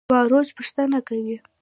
باروچ پوښتنه کوي.